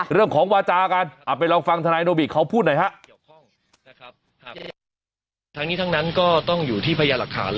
เรื่องของวาจากันไปลองฟังธนายโนบิเขาพูดหน่อยฮะ